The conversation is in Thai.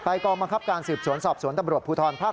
กองบังคับการสืบสวนสอบสวนตำรวจภูทรภาค๗